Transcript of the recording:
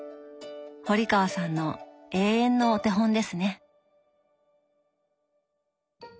堀川さんの永遠のお手本ですね。